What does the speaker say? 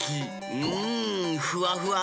うんふわふわ！